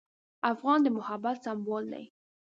افغان د محبت سمبول دی.